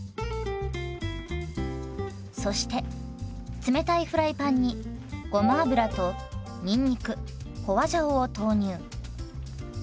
そして冷たいフライパンにごま油とにんにく花椒を投入。